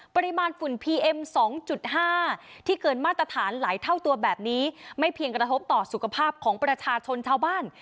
ปริมาณฝุ่นพีเอ็ม๒๕ที่เกินมาตรฐานหลายเท่าตัวแบบนี้ไม่เพียงกระทบต่อสุขภาพของประชาชนชาวบ้าน